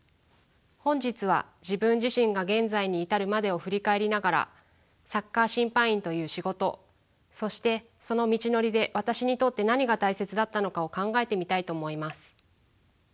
本日は自分自身が現在に至るまでを振り返りながらサッカー審判員という仕事そしてその道のりで私にとって何が大切だったのかを考えてみたいと思います。